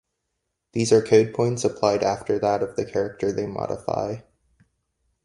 These are codepoints applied after that of the character they modify.